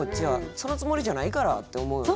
そのつもりじゃないから！って思うよな。